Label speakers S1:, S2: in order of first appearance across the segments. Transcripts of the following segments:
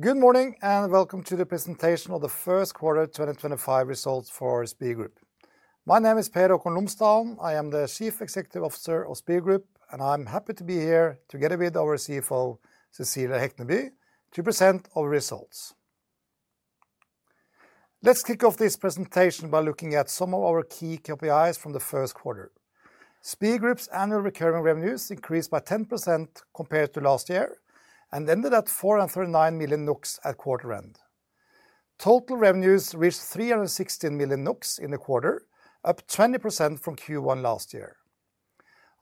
S1: Good morning and welcome to the presentation of the first quarter 2025 results for Spir Group. My name is Per Haakon Lomsdalen. I am the Chief Executive Officer of Spir Group, and I'm happy to be here together with our CFO, Cecilie Hekneby, to present our results. Let's kick off this presentation by looking at some of our key KPIs from the first quarter. Spir Group's annual recurring revenues increased by 10% compared to last year and ended at 439 million at quarter end. Total revenues reached 316 million in the quarter, up 20% from Q1 last year.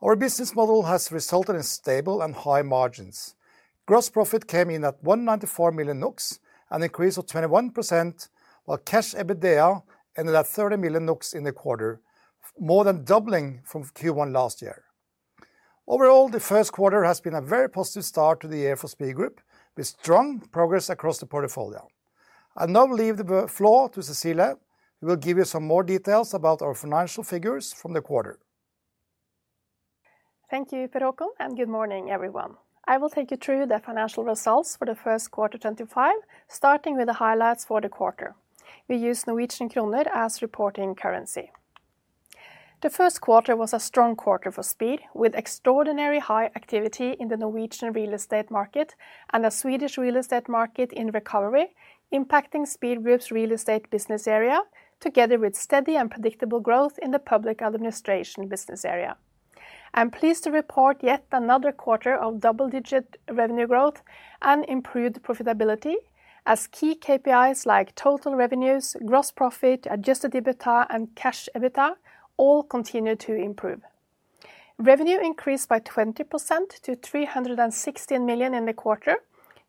S1: Our business model has resulted in stable and high margins. Gross profit came in at 194 million, an increase of 21%, while cash EBITDA ended at 30 million in the quarter, more than doubling from Q1 last year. Overall, the first quarter has been a very positive start to the year for Spir Group, with strong progress across the portfolio. I now leave the floor to Cecilie, who will give you some more details about our financial figures from the quarter.
S2: Thank you, Per Haakon, and good morning, everyone. I will take you through the financial results for the first quarter 2025, starting with the highlights for the quarter. We use Norwegian kroner as reporting currency. The first quarter was a strong quarter for Spir, with extraordinarily high activity in the Norwegian real estate market and the Swedish real estate market in recovery, impacting Spir Group's real estate business area, together with steady and predictable growth in the public administration business area. I'm pleased to report yet another quarter of double-digit revenue growth and improved profitability, as key KPIs like total revenues, gross profit, Adjusted EBITDA, and cash EBITDA all continue to improve. Revenue increased by 20% to 316 million in the quarter,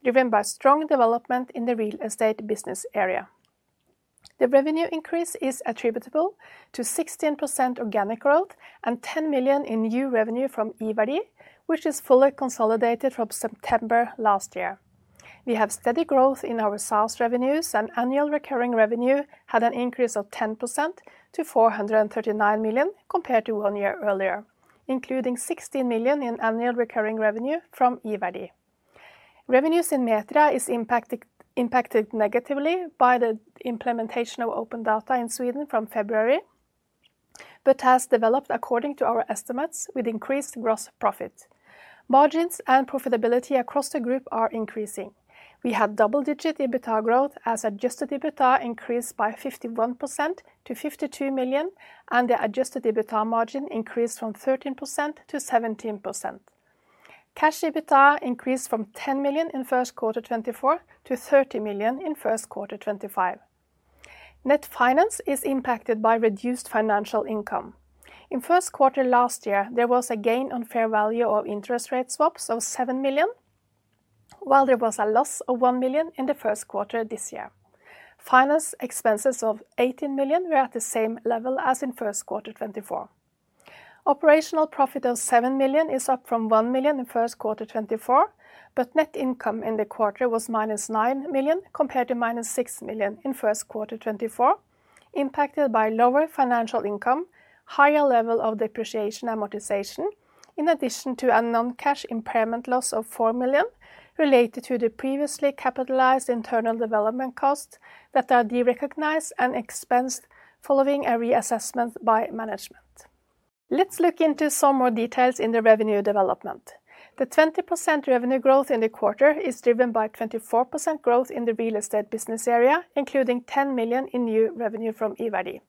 S2: driven by strong development in the real estate business area. The revenue increase is attributable to 16% organic growth and 10 million in new revenue from eVerdi, which is fully consolidated from September last year. We have steady growth in our SaaS revenues, and annual recurring revenue had an increase of 10% to 439 million compared to one year earlier, including 16 million in annual recurring revenue from eVerdi. Revenues in Metria are impacted negatively by the implementation of open data in Sweden from February, but have developed according to our estimates, with increased gross profit. Margins and profitability across the group are increasing. We had double-digit EBITDA growth, as Adjusted EBITDA increased by 51% to 52 million, and the Adjusted EBITDA margin increased from 13% to 17%. Cash EBITDA increased from 10 million in first quarter 2024 to 30 million in first quarter 2025. Net finance is impacted by reduced financial income. In first quarter last year, there was a gain on fair value of interest rate swaps of 7 million, while there was a loss of 1 million in the first quarter this year. Finance expenses of 18 million were at the same level as in first quarter 2024. Operational profit of 7 million is up from 1 million in first quarter 2024, but net income in the quarter was -9 million compared to -6 million in first quarter 2024, impacted by lower financial income, higher level of depreciation amortization, in addition to a non-cash impairment loss of 4 million related to the previously capitalized internal development costs that are derecognized and expensed following a reassessment by management. Let's look into some more details in the revenue development. The 20% revenue growth in the quarter is driven by 24% growth in the real estate business area, including 10 million in new revenue from eVerdi.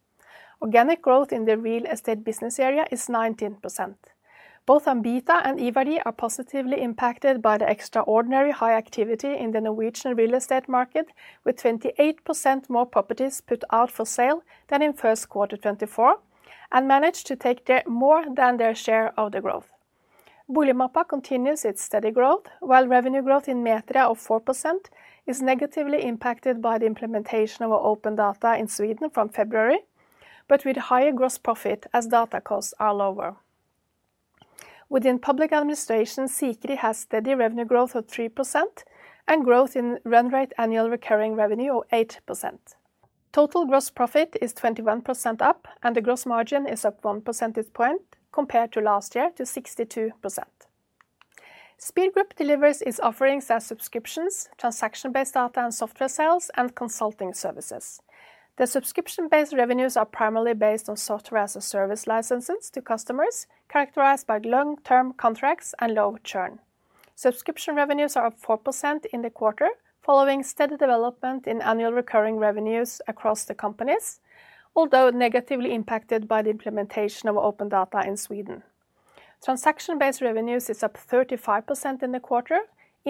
S2: Organic growth in the real estate business area is 19%. Both AmbiTa and iVerdi are positively impacted by the extraordinarily high activity in the Norwegian real estate market, with 28% more properties put out for sale than in first quarter 2024, and managed to take more than their share of the growth. Boligmappa continues its steady growth, while revenue growth in Metria of 4% is negatively impacted by the implementation of open data in Sweden from February, but with higher gross profit as data costs are lower. Within public administration, Sikri has steady revenue growth of 3% and growth in run rate annual recurring revenue of 8%. Total gross profit is 21% up, and the gross margin is up 1 percentage point compared to last year to 62%. Spir Group delivers its offerings as subscriptions, transaction-based data and software sales, and consulting services. The subscription-based revenues are primarily based on software-as-a-service licenses to customers characterized by long-term contracts and low churn. Subscription revenues are up 4% in the quarter, following steady development in annual recurring revenues across the companies, although negatively impacted by the implementation of open data in Sweden. Transaction-based revenues are up 35% in the quarter,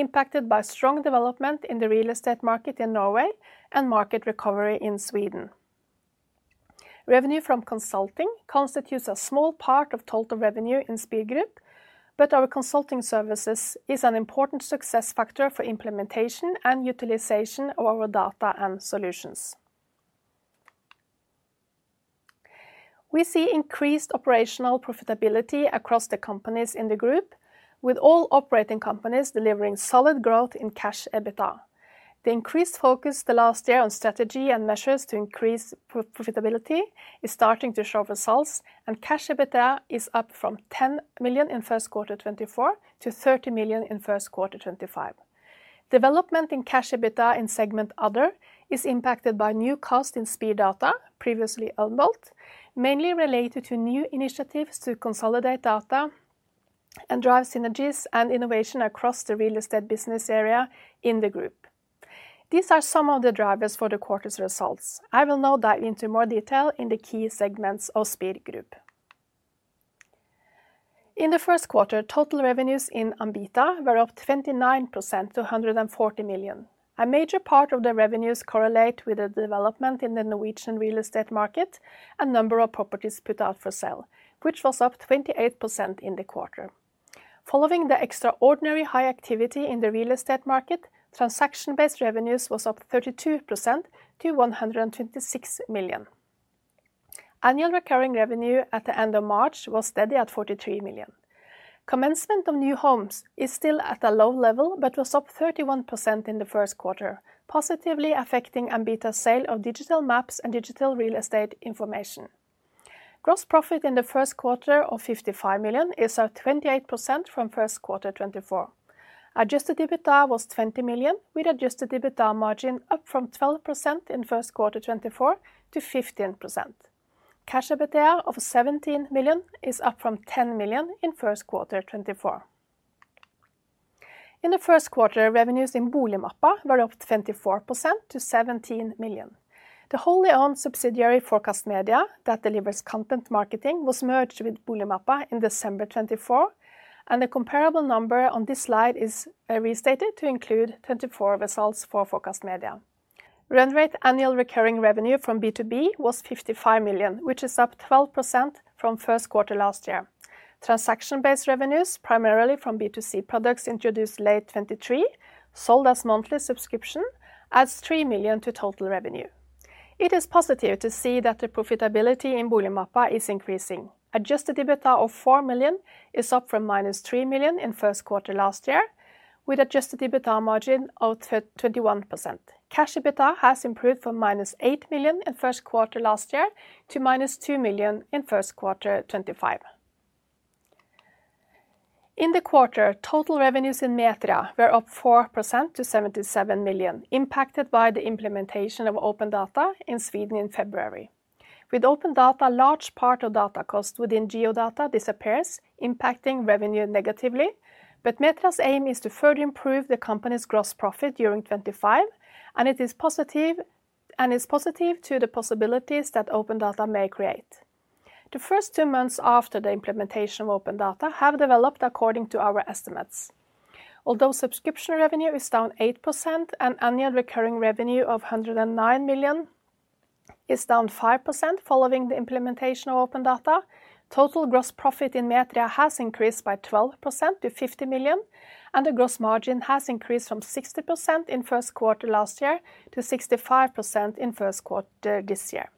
S2: impacted by strong development in the real estate market in Norway and market recovery in Sweden. Revenue from consulting constitutes a small part of total revenue in Spir Group, but our consulting services are an important success factor for implementation and utilization of our data and solutions. We see increased operational profitability across the companies in the group, with all operating companies delivering solid growth in cash EBITDA. The increased focus the last year on strategy and measures to increase profitability is starting to show results, and cash EBITDA is up from 10 million in first quarter 2024 to 30 million in first quarter 2025. Development in cash EBITDA in segment Other is impacted by new costs in Spir data, previously Unbolt, mainly related to new initiatives to consolidate data and drive synergies and innovation across the real estate business area in the group. These are some of the drivers for the quarter's results. I will now dive into more detail in the key segments of Spir Group. In the first quarter, total revenues in AmbiTa were up 29% to 140 million. A major part of the revenues correlates with the development in the Norwegian real estate market and number of properties put out for sale, which was up 28% in the quarter. Following the extraordinarily high activity in the real estate market, transaction-based revenues were up 32% to 126 million. Annual recurring revenue at the end of March was steady at 43 million. Commencement of new homes is still at a low level but was up 31% in the first quarter, positively affecting AmbiTa's sale of digital maps and digital real estate information. Gross profit in the first quarter of 55 million is up 28% from first quarter 2024. Adjusted EBITDA was 20 million, with Adjusted EBITDA margin up from 12% in first quarter 2024 to 15%. Cash EBITDA of 17 million is up from 10 million in first quarter 2024. In the first quarter, revenues in Boligmappa were up 24% to 17 million. The wholly owned subsidiary Forecast Media that delivers content marketing was merged with Boligmappa in December 2024, and the comparable number on this slide is restated to include 2024 results for Forecast Media. Run rate annual recurring revenue from B2B was 55 million, which is up 12% from first quarter last year. Transaction-based revenues, primarily from B2C products introduced late 2023, sold as monthly subscriptions, add 3 million to total revenue. It is positive to see that the profitability in Boligmappa is increasing. Adjusted EBITDA of 4 million is up from minus 3 million in first quarter last year, with Adjusted EBITDA margin of 21%. Cash EBITDA has improved from minus 8 million in first quarter last year to minus 2 million in first quarter 2025. In the quarter, total revenues in Metria were up 4% to 77 million, impacted by the implementation of open data in Sweden in February. With open data, a large part of data costs within GeoData disappears, impacting revenue negatively, but Metria's aim is to further improve the company's gross profit during 2025, and it is positive to the possibilities that open data may create. The first two months after the implementation of open data have developed according to our estimates. Although subscription revenue is down 8% and annual recurring revenue of 109 million is down 5% following the implementation of open data, total gross profit in Metria has increased by 12% to 50 million, and the gross margin has increased from 60% in first quarter last year to 65% in first quarter this year.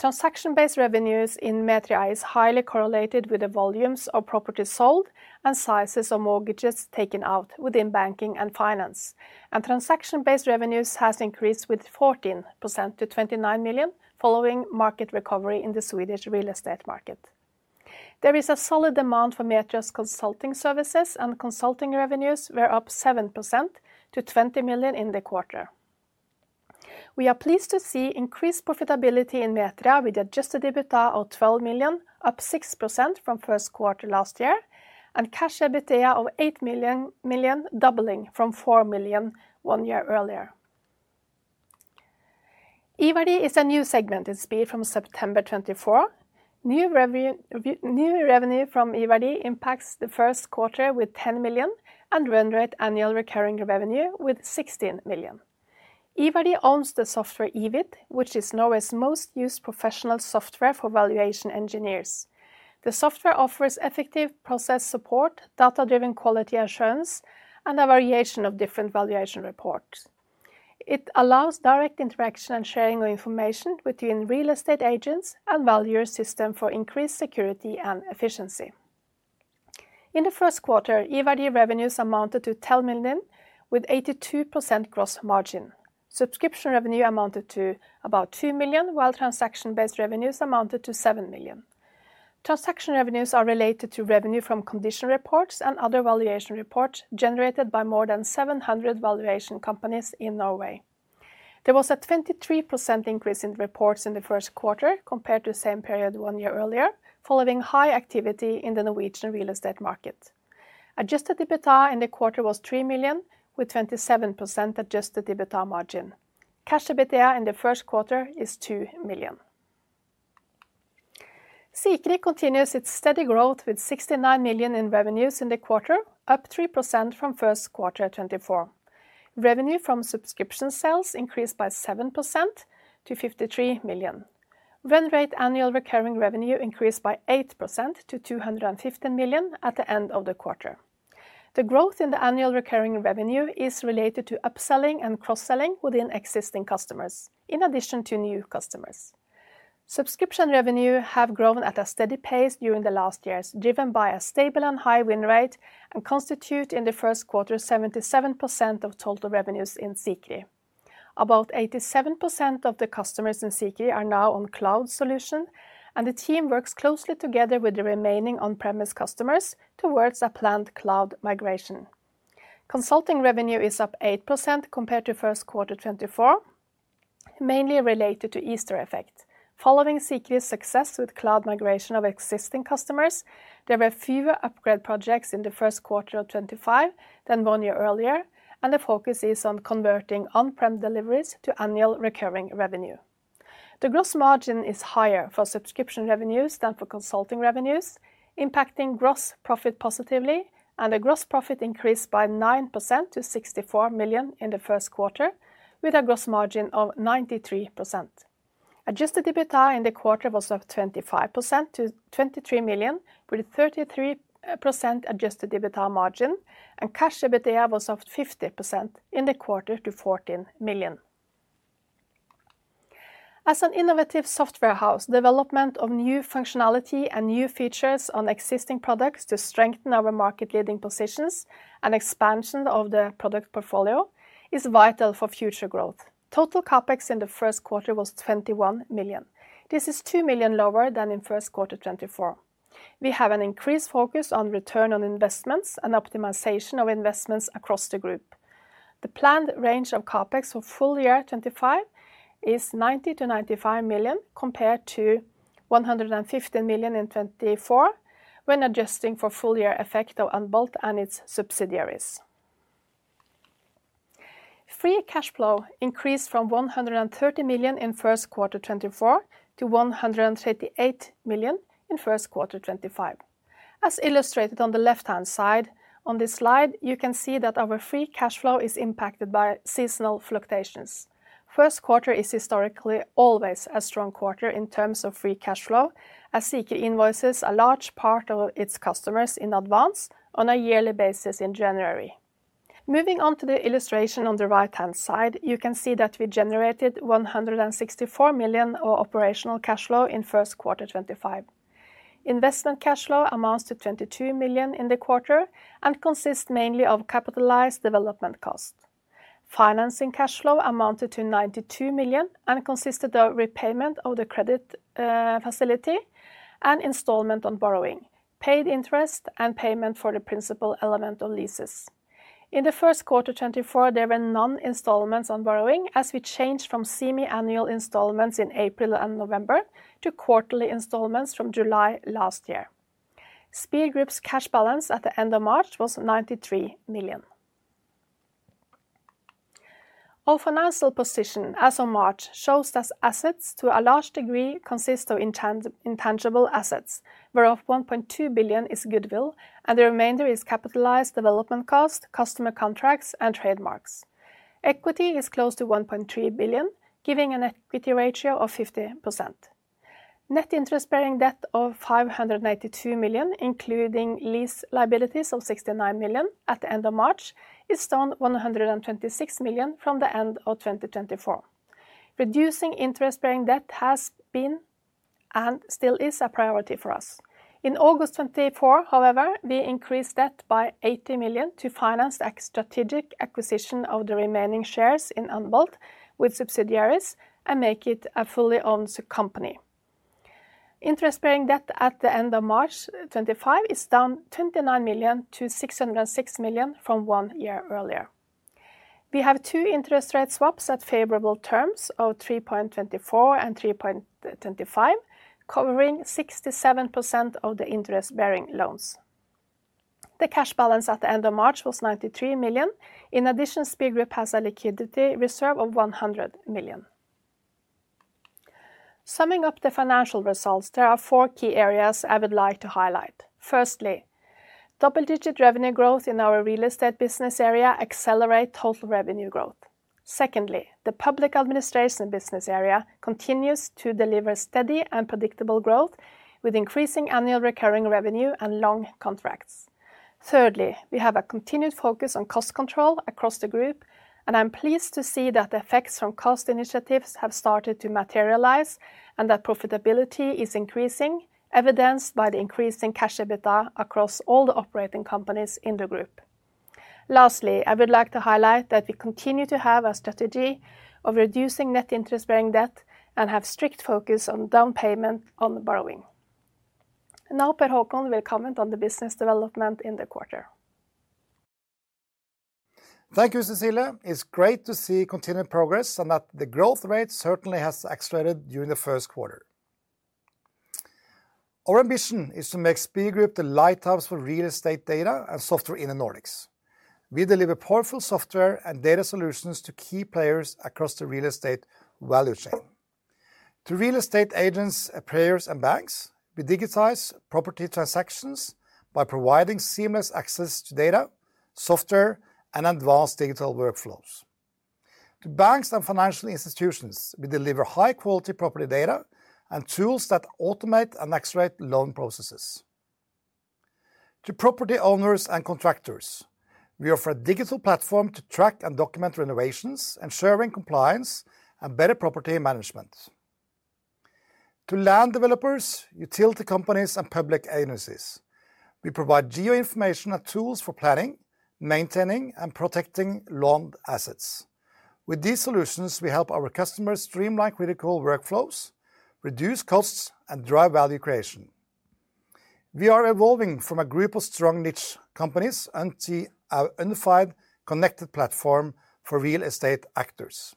S2: Transaction-based revenues in Metria are highly correlated with the volumes of properties sold and sizes of mortgages taken out within banking and finance, and transaction-based revenues have increased by 14% to 29 million following market recovery in the Swedish real estate market. There is a solid demand for Metria's consulting services, and consulting revenues were up 7% to 20 million in the quarter. We are pleased to see increased profitability in Metria with Adjusted EBITDA of 12 million, up 6% from first quarter last year, and cash EBITDA of 8 million doubling from 4 million one year earlier. eVerdi is a new segment in Spir from September 2024. New revenue from iVerdi impacts the first quarter with 10 million and run rate annual recurring revenue with 16 million. iVerdi owns the software eVit, which is Norway's most used professional software for valuation engineers. The software offers effective process support, data-driven quality assurance, and a variation of different valuation reports. It allows direct interaction and sharing of information between real estate agents and valuer system for increased security and efficiency. In the first quarter, eVerdi revenues amounted to 10 million, with 82% gross margin. Subscription revenue amounted to about 2 million, while transaction-based revenues amounted to 7 million. Transaction revenues are related to revenue from condition reports and other valuation reports generated by more than 700 valuation companies in Norway. There was a 23% increase in reports in the first quarter compared to the same period one year earlier, following high activity in the Norwegian real estate market. Adjusted EBITDA in the quarter was 3 million, with 27% Adjusted EBITDA margin. Cash EBITDA in the first quarter is 2 million. Sikri continues its steady growth with 69 million in revenues in the quarter, up 3% from first quarter 2024. Revenue from subscription sales increased by 7% to 53 million. Run rate annual recurring revenue increased by 8% to 215 million at the end of the quarter. The growth in the annual recurring revenue is related to upselling and cross-selling within existing customers, in addition to new customers. Subscription revenues have grown at a steady pace during the last years, driven by a stable and high win rate, and constitute in the first quarter 77% of total revenues in Sikri. About 87% of the customers in Sikri are now on cloud solutions, and the team works closely together with the remaining on-premise customers towards a planned cloud migration. Consulting revenue is up 8% compared to first quarter 2024, mainly related to Easter Effect. Following Sikri's success with cloud migration of existing customers, there were fewer upgrade projects in the first quarter of 2025 than one year earlier, and the focus is on converting on-prem deliveries to annual recurring revenue. The gross margin is higher for subscription revenues than for consulting revenues, impacting gross profit positively, and the gross profit increased by 9% to 64 million in the first quarter, with a gross margin of 93%. Adjusted EBITDA in the quarter was up 25% to 23 million, with a 33% Adjusted EBITDA margin, and cash EBITDA was up 50% in the quarter to 14 million. As an innovative software house, the development of new functionality and new features on existing products to strengthen our market-leading positions and expansion of the product portfolio is vital for future growth. Total CapEx in the first quarter was 21 million. This is 2 million lower than in first quarter 2024. We have an increased focus on return on investments and optimization of investments across the group. The planned range of CapEx for full year 2025 is 90 million-95 million compared to 115 million in 2024, when adjusting for full year effect of Unbolt and its subsidiaries. Free cash flow increased from 130 million in first quarter 2024 to 138 million in first quarter 2025. As illustrated on the left-hand side on this slide, you can see that our free cash flow is impacted by seasonal fluctuations. First quarter is historically always a strong quarter in terms of free cash flow, as Sikri invoices a large part of its customers in advance on a yearly basis in January. Moving on to the illustration on the right-hand side, you can see that we generated 164 million of operational cash flow in first quarter 2025. Investment cash flow amounts to 22 million in the quarter and consists mainly of capitalized development costs. Financing cash flow amounted to 92 million and consisted of repayment of the credit facility and installment on borrowing, paid interest, and payment for the principal element of leases. In the first quarter 2024, there were no installments on borrowing, as we changed from semi-annual installments in April and November to quarterly installments from July last year. Spir Group's cash balance at the end of March was 93 million. Our financial position as of March shows that assets to a large degree consist of intangible assets, whereof 1.2 billion is goodwill, and the remainder is capitalized development costs, customer contracts, and trademarks. Equity is close to 1.3 billion, giving an equity ratio of 50%. Net interest-bearing debt of 582 million, including lease liabilities of 69 million at the end of March, is down 126 million from the end of 2024. Reducing interest-bearing debt has been and still is a priority for us. In August 2024, however, we increased debt by 80 million to finance the strategic acquisition of the remaining shares in Unbolt with subsidiaries and make it a fully-owned company. Interest-bearing debt at the end of March 2025 is down 29 million to 606 million from one year earlier. We have two interest rate swaps at favorable terms of 3.24% and 3.25%, covering 67% of the interest-bearing loans. The cash balance at the end of March was 93 million. In addition, Spir Group has a liquidity reserve of 100 million. Summing up the financial results, there are four key areas I would like to highlight. Firstly, double-digit revenue growth in our real estate business area accelerates total revenue growth. Secondly, the public administration business area continues to deliver steady and predictable growth with increasing annual recurring revenue and long contracts. Thirdly, we have a continued focus on cost control across the group, and I'm pleased to see that the effects from cost initiatives have started to materialize and that profitability is increasing, evidenced by the increase in cash EBITDA across all the operating companies in the group. Lastly, I would like to highlight that we continue to have a strategy of reducing net interest-bearing debt and have a strict focus on down payment on borrowing. Now, Per Haakon, we'll comment on the business development in the quarter.
S1: Thank you, Cecilie. It's great to see continued progress and that the growth rate certainly has accelerated during the first quarter. Our ambition is to make Spir Group the lighthouse for real estate data and software in the Nordics. We deliver powerful software and data solutions to key players across the real estate value chain. To real estate agents, payers, and banks, we digitize property transactions by providing seamless access to data, software, and advanced digital workflows. To banks and financial institutions, we deliver high-quality property data and tools that automate and accelerate loan processes. To property owners and contractors, we offer a digital platform to track and document renovations, ensuring compliance and better property management. To land developers, utility companies, and public agencies, we provide geoinformation and tools for planning, maintaining, and protecting loaned assets. With these solutions, we help our customers streamline critical workflows, reduce costs, and drive value creation. We are evolving from a group of strong niche companies into a unified connected platform for real estate actors,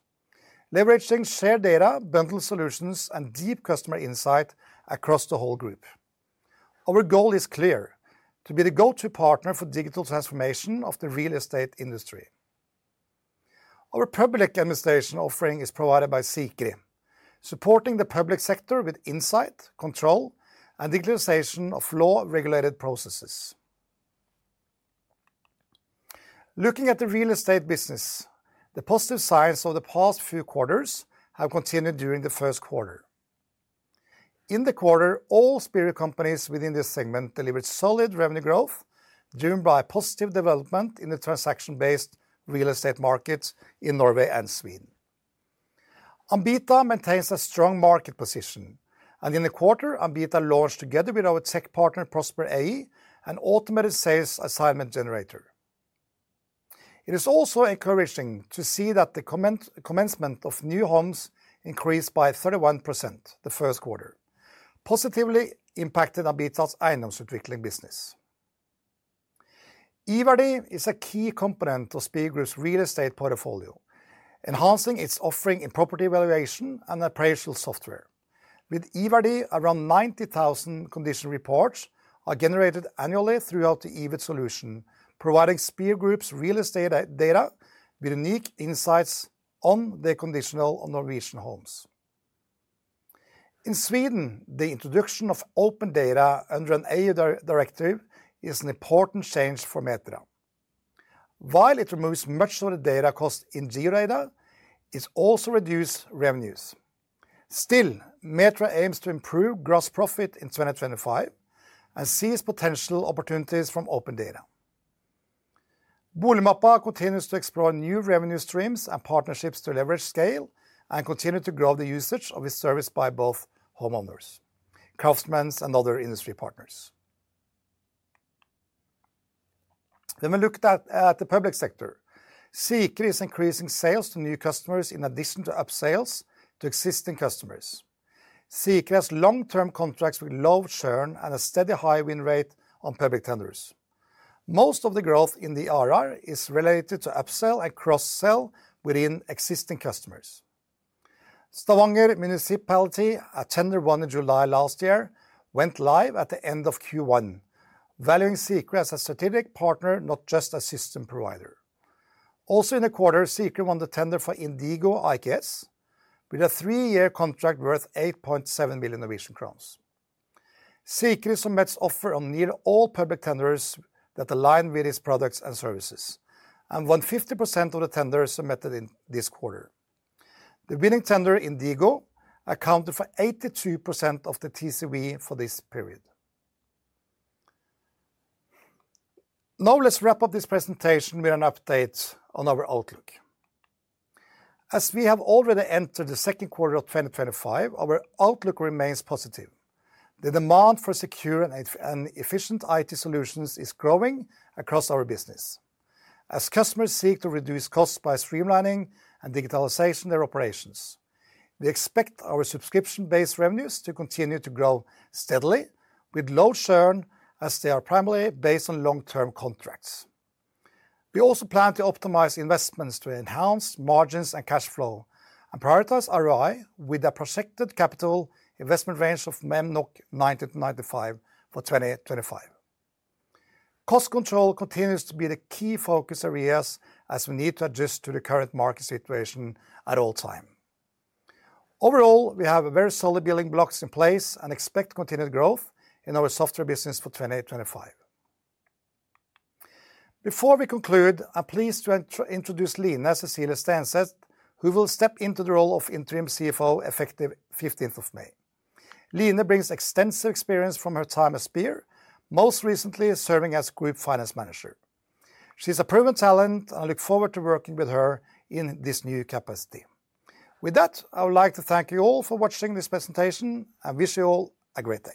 S1: leveraging shared data, bundled solutions, and deep customer insight across the whole group. Our goal is clear: to be the go-to partner for digital transformation of the real estate industry. Our public administration offering is provided by Sikri, supporting the public sector with insight, control, and digitalization of law-regulated processes. Looking at the real estate business, the positive signs of the past few quarters have continued during the first quarter. In the quarter, all Spir companies within this segment delivered solid revenue growth driven by positive development in the transaction-based real estate market in Norway and Sweden. AmbiTa maintains a strong market position, and in the quarter, AmbiTa launched together with our tech partner Prosper AI an Automated Sales Assignment Generator. It is also encouraging to see that the commencement of new homes increased by 31% the first quarter, positively impacting AmbiTa's finance development business. iVerdi is a key component of Spir Group's real estate portfolio, enhancing its offering in property valuation and appraisal software. With eVerdi, around 90,000 condition reports are generated annually throughout the eVit solution, providing Spir Group's real estate data with unique insights on the condition of Norwegian homes. In Sweden, the introduction of open data under an EU directive is an important change for Metria. While it removes much of the data cost in geodata, it also reduces revenues. Still, Metria aims to improve gross profit in 2025 and sees potential opportunities from open data. Boligmappa continues to explore new revenue streams and partnerships to leverage scale and continue to grow the usage of its service by both homeowners, craftsmen, and other industry partners. We looked at the public sector. Sikri is increasing sales to new customers in addition to upsales to existing customers. Sikri has long-term contracts with low churn and a steady high win rate on public tenders. Most of the growth in the ARR is related to upsell and cross-sell within existing customers. Stavanger Municipality, a tender won in July last year, went live at the end of Q1, valuing Sikri as a strategic partner, not just a system provider. Also in the quarter, Sikri won the tender for Indigo IKS with a three-year contract worth 8.7 million Norwegian crowns. Sikri submits offers on nearly all public tenders that align with its products and services, and won 50% of the tenders submitted in this quarter. The winning tender, Indigo, accounted for 82% of the TCV for this period. Now, let's wrap up this presentation with an update on our outlook. As we have already entered the second quarter of 2025, our outlook remains positive. The demand for secure and efficient IT solutions is growing across our business, as customers seek to reduce costs by streamlining and digitalizing their operations. We expect our subscription-based revenues to continue to grow steadily with low churn, as they are primarily based on long-term contracts. We also plan to optimize investments to enhance margins and cash flow and prioritize ROI with a projected capital investment range of 90 million-95 million for 2025. Cost control continues to be the key focus areas, as we need to adjust to the current market situation at all times. Overall, we have very solid building blocks in place and expect continued growth in our software business for 2025. Before we conclude, I'm pleased to introduce Line Cecilie Stenseth, who will step into the role of Interim CFO effective 15th of May. Line brings extensive experience from her time at Spir, most recently serving as Group Finance Manager. She's a proven talent, and I look forward to working with her in this new capacity. With that, I would like to thank you all for watching this presentation and wish you all a great day.